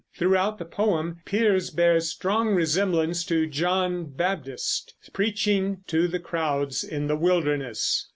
Throughout the poem Piers bears strong resemblance to John Baptist preaching to the crowds in the wilderness.